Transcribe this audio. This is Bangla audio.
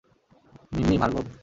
মিম্মি, ভার্গব।